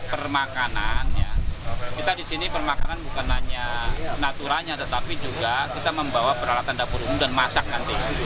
permakanan kita di sini permakan bukan hanya naturanya tetapi juga kita membawa peralatan dapur umum dan masak nanti